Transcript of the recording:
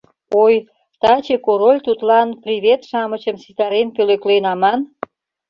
Ой, таче Король тудлан «привет-шамычым» ситарен пӧлеклен аман?